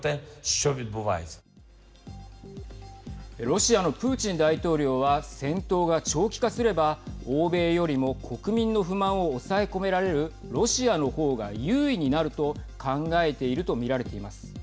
ロシアのプーチン大統領は戦闘が長期化すれば欧米よりも国民の不満を抑え込められるロシアのほうが優位になると考えていると見られています。